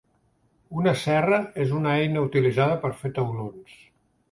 Una serra és una eina utilitzada per fer taulons.